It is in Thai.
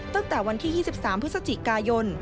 ตั้งแต่วันที่๒๓พฤศจิกายน